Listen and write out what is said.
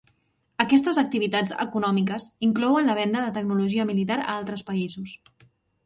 Aquestes activitats econòmiques inclouen la venda de tecnologia militar a altres països.